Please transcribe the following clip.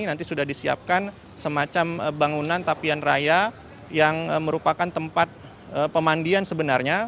nanti sudah disiapkan semacam bangunan tapian raya yang merupakan tempat pemandian sebenarnya